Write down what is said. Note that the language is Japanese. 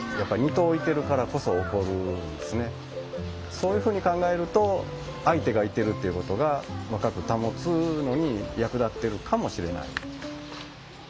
そういうふうに考えると相手がいてるっていうことが若く保つのに役立ってるかもしれない。